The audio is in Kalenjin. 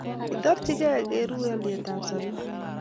itorchingei koreu olyetab sobeet